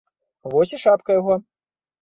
Вось і шапка яго.